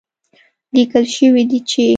ليکل شوي دي چې